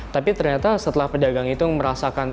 tapi ternyata setelah pedagang itu merasakan